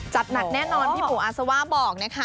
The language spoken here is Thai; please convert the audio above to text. จัดหนักแน่นอนพี่ปูอาซาว่าบอกนะคะ